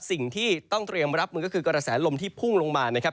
สิ่งที่ต้องเตรียมรับมือก็คือกระแสลมที่พุ่งลงมานะครับ